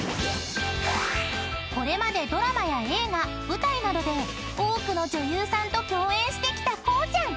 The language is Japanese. ［これまでドラマや映画舞台などで多くの女優さんと共演してきたこうちゃん］